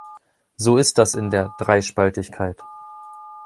So ist das in der "Dreispaltigkeit"!